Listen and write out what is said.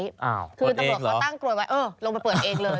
คือตำรวจเขาตั้งกลวยไว้เออลงไปเปิดเองเลย